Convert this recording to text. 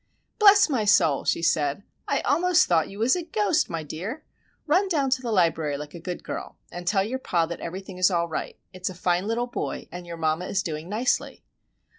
"Bless my soul," she said, "I almost thought you was a ghost, my dear. Run down to the library like a good girl, and tell your pa that everything is all right. It is a fine little boy and your mamma is doing nicely."